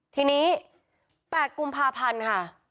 ทีนี้๘กุมภาพันธ์ค่ะ